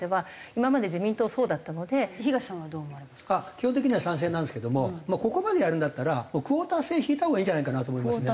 基本的には賛成なんですけどもここまでやるんだったらもうクオータ制敷いたほうがいいんじゃないかなと思いますね。